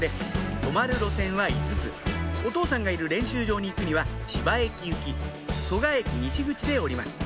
止まる路線は５つお父さんがいる練習場に行くには千葉駅行き蘇我駅西口で降ります